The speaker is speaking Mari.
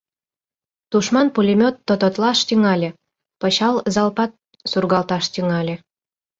Тушман пулемёт тототлаш тӱҥале, пычал залпат сургалташ тӱҥале.